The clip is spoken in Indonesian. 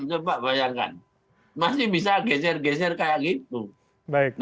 coba bayangkan masih bisa geser geser kayak gitu baik baik saja ya pak prabowo itu masih bisa berubah ubahan